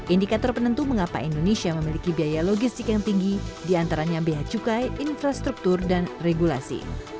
indikator penentu mengapa indonesia memiliki biaya logistik yang tinggi diantaranya biaya cukai infrastruktur dan regulasi